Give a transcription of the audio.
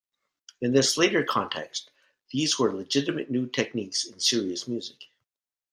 In this later context, these were legitimate new techniques in serious music.